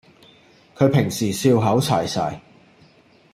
佢平時笑口噬噬